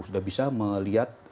sudah bisa melihat